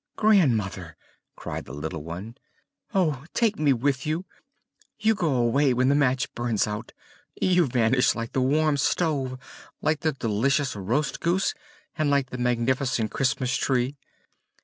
"Grandmother!" cried the little one. "Oh, take me with you! You go away when the match burns out; you vanish like the warm stove, like the delicious roast goose, and like the magnificent Christmas tree!"